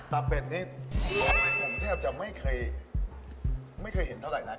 เป็ดนี่ผมแทบจะไม่เคยเห็นเท่าไหร่นัก